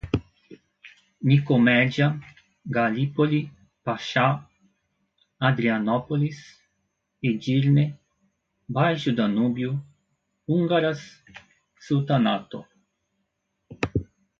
Nicomédia, Galípoli, Paxá, Adrianópolis, Edirne, Baixo Danúbio, húngaras, sultanato